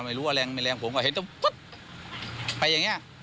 ไม่รู้ว่าแรงไม่แรงผมก็เห็นตรงปุ๊บไปอย่างนี้